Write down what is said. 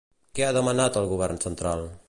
Què ha demanat al govern central?